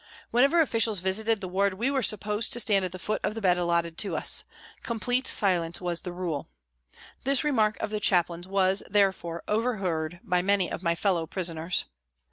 Whenever officials visited the ward we were supposed each to stand at the foot of the bed allotted to us. Complete silence was the rule. This remark of the Chaplain's was, therefore, overheard by many of my fellow prisoners.